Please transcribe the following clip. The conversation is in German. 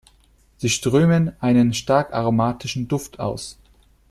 Sie strömen einen stark aromatischen Duft aus.